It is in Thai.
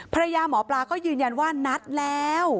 ภรรยาหมอปลาก็ยืนยันว่านัดแล้ว